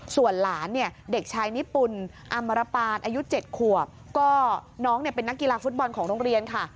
ส่วนหลานเนี่ยเด็กชายนิปุ่นอำมรปานอายุ๗ขวบก็น้องเนี่ยเป็นนักกีฬาฟุตบอลของโรงเรียนค่ะ